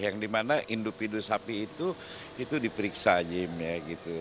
yang dimana indup indu sapi itu itu diperiksa jimmy ya gitu